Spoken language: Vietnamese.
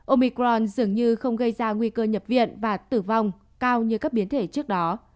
omicron dường như không gây ra nguy cơ nhập viện và tử vong cao như các biến thể trước đó